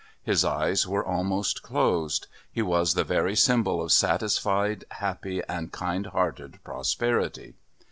His eyes were almost closed; he was the very symbol of satisfied happy and kind hearted prosperity.